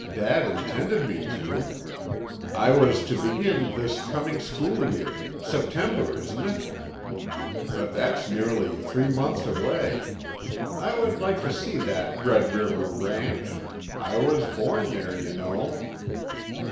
"Dad intended me to. I was to begin this coming school year—September, isn't it? But that's nearly three months away. I would like to see that Red River ranch. I was born there, you know."